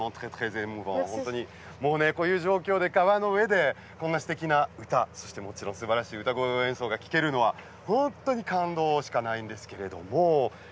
本当に、もうこういう状況で川の上でこんな、すてきな歌そしてすばらしい歌と演奏を聴けるのは本当に感動しかないんですけれど。